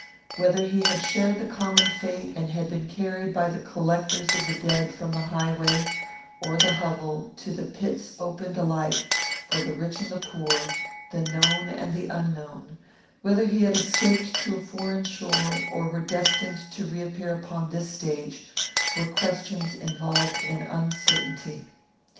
Whether he had shared the common fate, and had been carried by the collectors of the dead from the highway or the hovel to the pits opened alike for the rich and the poor, the known and the unknown; whether he had escaped to a foreign shore, or were destined to reappear upon this stage, were questions involved in uncertainty.